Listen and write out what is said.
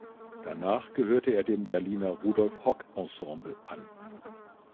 Danach gehörte er dem Berliner Rudolf-Hock-Ensemble an.